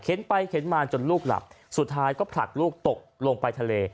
ไปเข็นมาจนลูกหลับสุดท้ายก็ผลักลูกตกลงไปทะเล